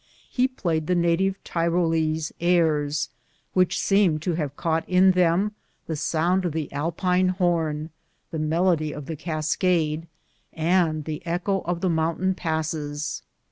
He played the native Tyrolese airs, which seemed to have caught in them the sound of the Alpine horn, the melody of the cascade, and the echo of the moun tain passes.